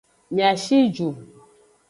Mia shi ju.